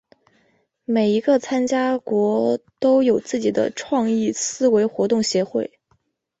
每一个参加国都有自己的创意思维活动协会。